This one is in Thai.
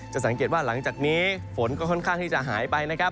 สังเกตว่าหลังจากนี้ฝนก็ค่อนข้างที่จะหายไปนะครับ